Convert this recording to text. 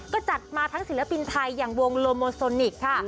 ก็จัดมาทั้งศิลปินไทยอย่างวงโลโมโซนิกค่ะ